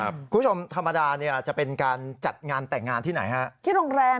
คุณผู้ชมธรรมดาจะเป็นการจัดงานแต่งงานที่ไหนครับ